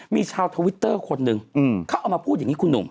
มีชาวทวิตเตอร์คนหนึ่งเขาเอามาพูดอย่างนี้คุณหนุ่ม